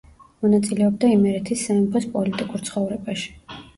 მონაწილეობდა იმერეთის სამეფოს პოლიტიკურ ცხოვრებაში.